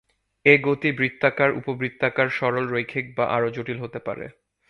এ গতি বৃত্তাকার, উপবৃত্তাকার, সরল রৈখিক বা আরো জটিল হতে পারে।